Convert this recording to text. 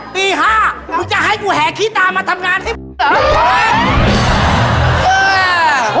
ตี๕กูจะให้กูแห่ขี้ตามาทำงานที่มึงเหรอ